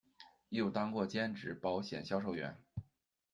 又当过兼职保险销售员。